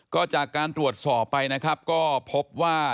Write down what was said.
ก็จากการตรวจสอบไปนะครับก็พบว่า